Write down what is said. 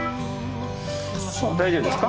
大丈夫ですか？